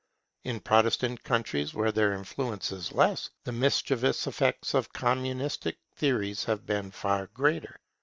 In Protestant countries where their influence is less, the mischievous effects of Communistic theories have been far greater.